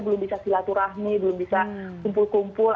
belum bisa silaturahmi belum bisa kumpul kumpul